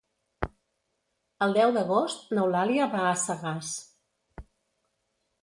El deu d'agost n'Eulàlia va a Sagàs.